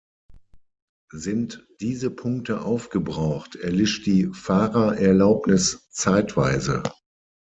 Sind diese Punkte aufgebraucht, erlischt die Fahrerlaubnis zeitweise.